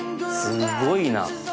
すごいな。